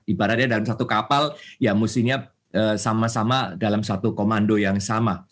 ibaratnya dalam satu kapal ya mestinya sama sama dalam satu komando yang sama